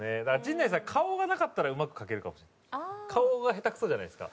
だから陣内さん顔がなかったらうまく描けるかもしれない。